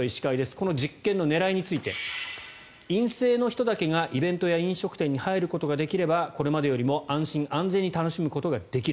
この実験の狙いについて陰性の人だけがイベントや飲食店に入ることができればこれまでよりも安心安全に楽しむことができる。